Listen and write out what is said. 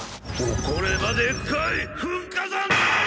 怒ればでっかい噴火山たい！